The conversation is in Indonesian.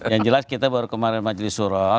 yang jelas kita baru kemarin majlis suruh